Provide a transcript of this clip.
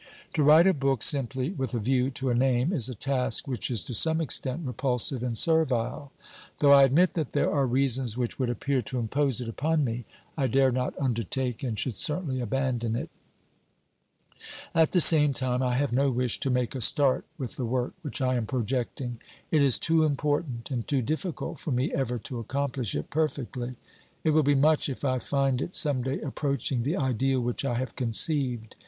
To write a book simply with a view to a name is a task which is to some extent repulsive and servile ; though I admit that there are reasons which would appear to impose 336 OBERMANN it upon me, I dare not undertake and should certainly abandon it. At the same time, I have no wish to make a start with the work which I am projecting. It is too important and too difficult for me ever to accomplish it perfectly ; it will be much if I find it some day approaching the ideal which I have conceived.